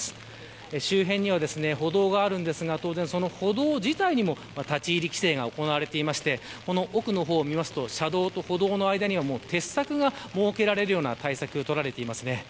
周辺には歩道があるんですが当然、歩道自体にも立ち入り規制が行われていましてこの奥の方を見ると車道と歩道の間には鉄柵が設けられるような対策が取られています。